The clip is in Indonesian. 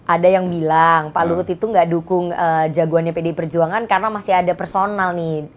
ada yang bilang pak luhut itu gak dukung jagoannya pdi perjuangan karena masih ada personal nih